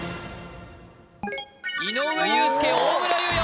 井上裕介大村優也